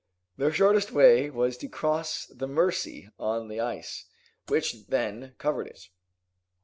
Their shortest way was to cross the Mercy on the ice, which then covered it.